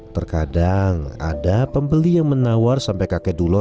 terkadang ada pembeli yang menawar sampai kakek dulo